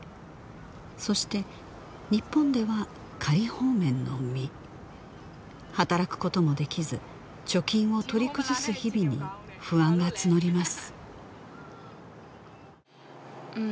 そして日本では仮放免の身働くこともできず貯金を取り崩す日々に不安が募ります